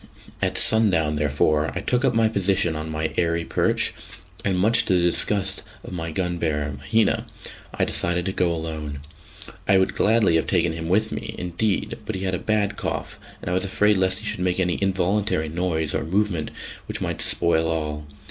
At sundown, therefore, I took up my position on my airy perch, and much to the disgust of my gun bearer, Mahina, I decided to go alone. I would gladly have taken him with me, indeed, but he had a bad cough, and I was afraid lest he should make any involuntary noise or movement which might spoil all.